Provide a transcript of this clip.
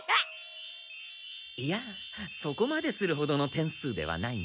いやそこまでするほどの点数ではないが。